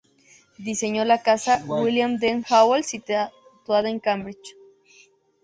Diseñó la casa William Dean Howells, situada en Cambridge.